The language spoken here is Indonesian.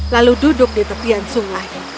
lalu duduk di tepian sungainya